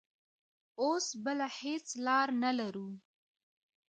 اوس بله هېڅ لار نه لرو.